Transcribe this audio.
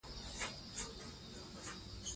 د افغانستان طبیعت له د ریګ دښتې څخه جوړ شوی دی.